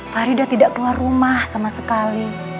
farida tidak keluar rumah sama sekali